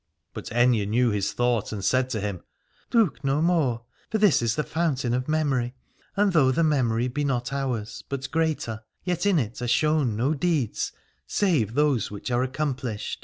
But Aithne knew his thought and said to him : Look no more, for this is the fountain of memory, and though the memory be not ours but greater, yet in it are shown no deeds save those which are accomplished.